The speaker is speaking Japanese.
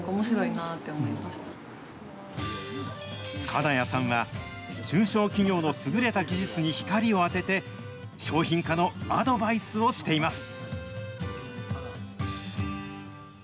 金谷さんは、中小企業の優れた技術に光を当てて、商品化のアドバイスをしています。